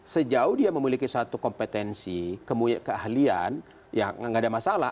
sejauh dia memiliki satu kompetensi keahlian ya nggak ada masalah